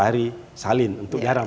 dari salin untuk garam